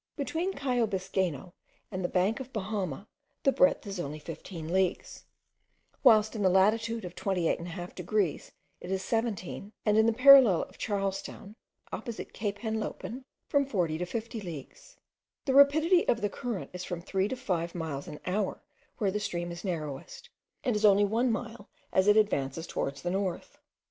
Between Cayo Biscaino and the bank of Bahama the breadth is only 15 leagues, whilst in the latitude of 28 1/2 degrees, it is 17, and in the parallel of Charlestown, opposite Cape Henlopen, from 40 to 50 leagues. The rapidity of the current is from three to five miles an hour where the stream is narrowest, and is only one mile as it advances towards the north.